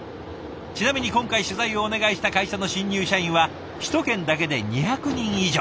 ちなみに今回取材をお願いした会社の新入社員は首都圏だけで２００人以上。